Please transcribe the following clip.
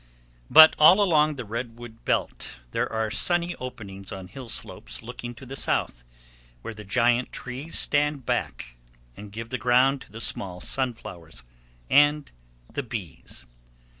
But all along the redwood belt there are sunny openings on hill slopes looking to the south, where the giant trees stand back, and give the ground to the small sunflowers and the bees.